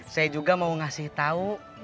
saya juga mau ngasih tahu